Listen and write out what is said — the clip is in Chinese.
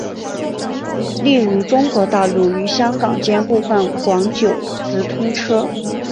例如中国大陆与香港间部分广九直通车。